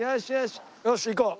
よし行こう。